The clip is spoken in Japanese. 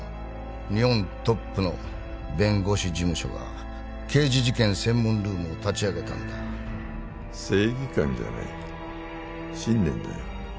日本トップの弁護士事務所が刑事事件専門ルームを立ち上げたんだ正義感じゃない信念だよ